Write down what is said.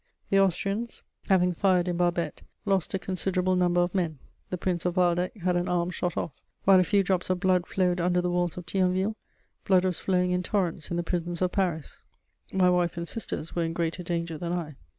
The Austrians, having fired in barbette, lost a considerable number of men; the Prince of Waldeck had an arm shot off. While a few drops of blood flowed under the walls of Thionville, blood was flowing in torrents in the prisons of Paris: my wife and sisters were in greater danger than I.